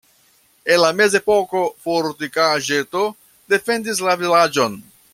En la mezepoko fortikaĵeto defendis la vilaĝon.